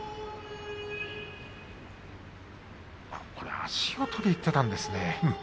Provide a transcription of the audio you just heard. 足を取りにいっていたんですね。